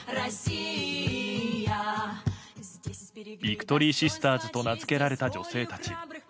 ビクトリーシスターズと名付けられた女性たち。